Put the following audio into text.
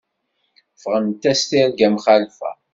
Ffɣent-as tirga mxalfa.